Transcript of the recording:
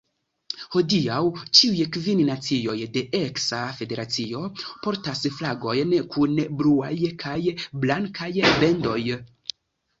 Hodiaŭ ĉiuj kvin nacioj de eksa federacio portas flagojn kun bluaj kaj blankaj bendoj.